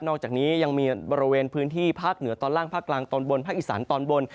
อกจากนี้ยังมีบริเวณพื้นที่ภาคเหนือตอนล่างภาคกลางตอนบนภาคอีสานตอนบน